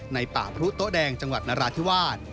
ในปลาภูโตแดงจังหวัดนราธิวาส